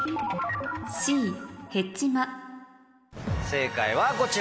正解はこちら。